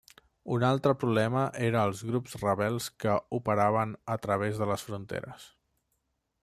Un altre problema era els grups rebels que operaven a través de les fronteres.